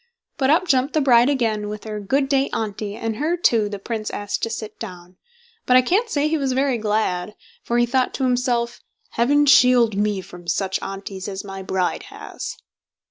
But up jumped the bride again, with her "Good day, Auntie", and her, too, the Prince asked to sit down; but I can't say he was very glad, for he thought to himself: "Heaven shield me from such Aunties as my bride has!"